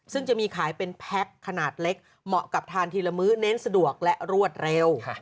ซึ่งจะมีขายเป็นแพ็คขนาดเล็กเหมาะกับทานทีละมื้อเน้นสะดวกและรวดเร็ว